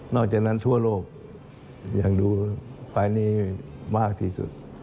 จากนั้นทั่วโลกยังดูไฟล์นี้มากที่สุด